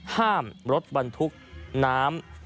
ห้ามรถบรรทุกน้ำ